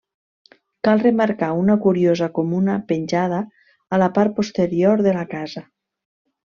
Cal remarcar una curiosa comuna penjada a la part posterior de la casa.